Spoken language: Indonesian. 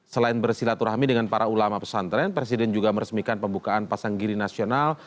selain bersilaturahmi dengan para ulama pesantren presiden juga meresmikan pembukaan pasang giri nasional